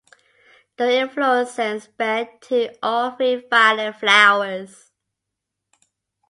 The inflorescences bear two or three violet flowers.